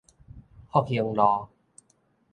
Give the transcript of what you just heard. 福興路